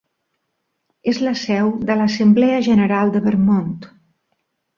És la seu de l'Assemblea General de Vermont.